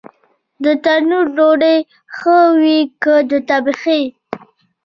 د تنور ډوډۍ ښه وي که د تبخي؟